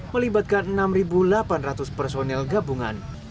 melibatkan enam delapan ratus personel gabungan